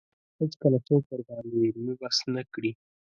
هېڅکله څوک ورباندې علمي بحث نه کړي